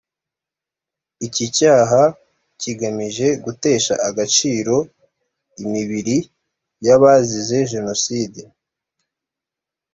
iki cyaha kigamije gutesha agaciro imibiri y’abazize jenoside